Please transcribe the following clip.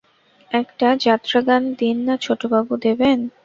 একটা যাত্রাগান দিন না ছোটবাবু, দেবেন?